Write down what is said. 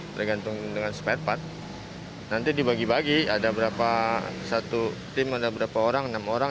tergantung dengan spare part nanti dibagi bagi ada berapa satu tim ada berapa orang enam orang